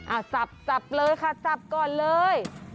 สับสับเลยค่ะสับก่อนเลย